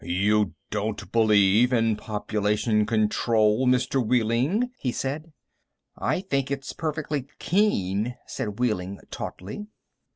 "You don't believe in population control, Mr. Wehling?" he said. "I think it's perfectly keen," said Wehling tautly.